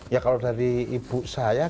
ya kalau dari ibu saya